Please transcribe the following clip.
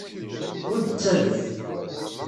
Ur d-ttadef.